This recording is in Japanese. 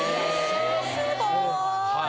すごい！